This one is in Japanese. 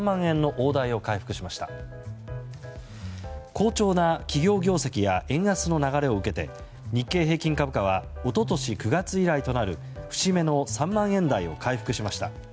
好調な企業業績や円安の流れを受けて日経平均株価は一昨年９月以来となる節目の３万円台を回復しました。